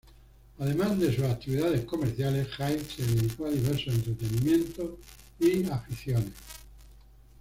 Además de sus actividades comerciales, Hyde se dedicó a diversos entretenimientos y aficiones.